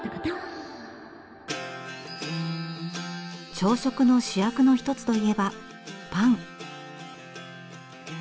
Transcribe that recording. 朝食の主役の一つといえばパン。